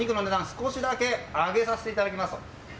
少しだけ上げさせていただきますと。